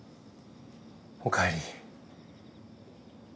おかえり。